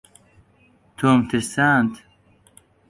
تۆمم ترساند.